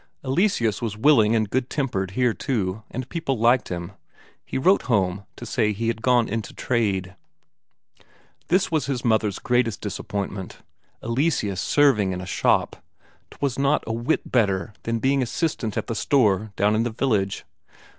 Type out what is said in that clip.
Eleseus was willing and good tempered here too, and people liked him; he wrote home to say he had gone into trade. This was his mother's greatest disappointment. Eleseus serving in a shop 'twas not a whit better than being assistant at the store down in the village.